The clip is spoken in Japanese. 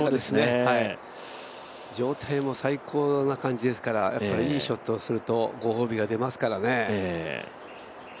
状態も最高な感じですから、やっぱりいいショットをするとご褒美が出ますからね。